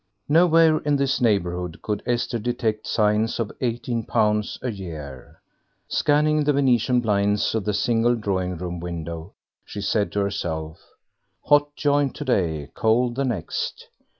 Nowhere in this neighbourhood could Esther detect signs of eighteen pounds a year. Scanning the Venetian blinds of the single drawing room window, she said to herself, "Hot joint today, cold the next."